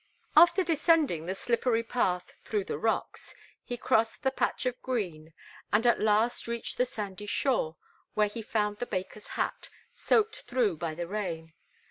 After descending the slippery path through the rocks, he crossed the patch of green, and at last reached the sandy shore, where he found the baker's hat, soaked through by the rain.